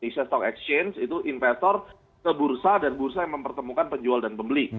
di sestol exchange itu investor ke bursa dan bursa yang mempertemukan penjual dan pembeli